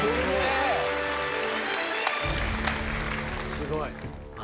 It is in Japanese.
すごい。